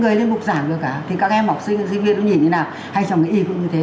người lên bục giảng được cả thì các em học sinh các sinh viên nó nhìn như thế nào hay trong cái y cũng như thế